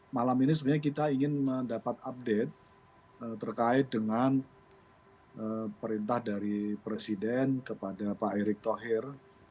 malam ini sebenarnya kita ingin mendapat update terkait dengan perintah dari presiden kepada pak erick thohir